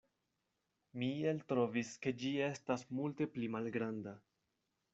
Mi eltrovis, ke ĝi estas multe pli malgranda.